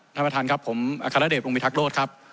ท่านประทานครับผมอัคดรเดชท์ลุ้งมิทรักโลศ์ครับ